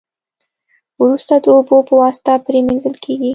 وروسته د اوبو په واسطه پری مینځل کیږي.